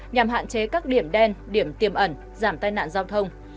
nhằm hạn chế các điểm đen điểm tiềm ẩn giảm tai nạn giao thông